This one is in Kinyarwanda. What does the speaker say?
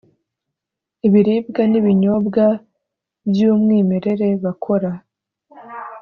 ibiribwa n’ibinyobwa by’umwimerere bakora